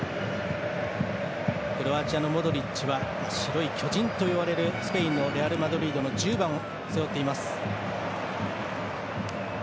クロアチアのモドリッチは白い巨人といわれるスペインのレアルマドリードの１０番を背負っています。